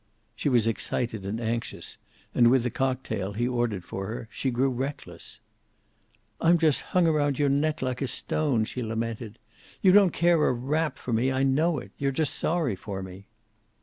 She was excited and anxious, and with the cocktail he ordered for her she grew reckless. "I'm just hung around your neck like a stone," she lamented. "You don't care a rap for me; I know it. You're just sorry for me."